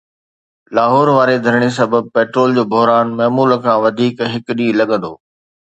لاهور واري ڌرڻي سبب پيٽرول جو بحران معمول کان وڌيڪ هڪ ڏينهن لڳندو